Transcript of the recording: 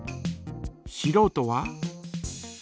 しろうとは？